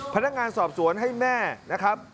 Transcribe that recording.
พนักงานสอบสวนให้แม่นะครับ